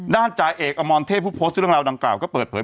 ด้านจ่ายเอกอมอนเทพภูมิโพสต์ซึ่งลองราวดังกล่าวก็เปิดเผย